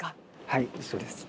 はいそうです。